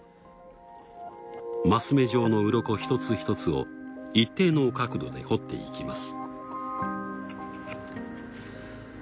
マス目状のウロコ一つひとつを一定の角度で彫っていきます。